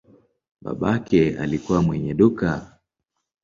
Babake alikuwa mwenye duka.